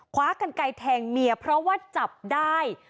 คว้ากันไกลแทงเมียเพราะว่าจับได้